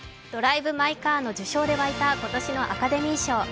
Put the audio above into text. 「ドライブ・マイ・カー」の受賞で沸いた今年のアカデミー賞。